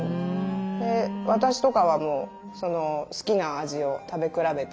で私とかはもう好きな味を食べ比べて。